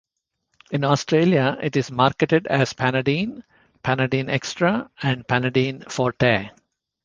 In Australia it is marketed as "Panadeine", "Panadeine Extra" and "Panadeine Forte".